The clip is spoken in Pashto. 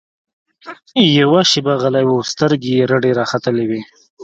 يوه شېبه غلى و سترګې يې رډې راختلې وې.